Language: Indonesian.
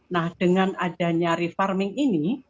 nah dengan adanya refarming ini